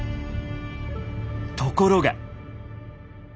ところが。